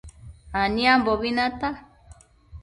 Aniambobi nata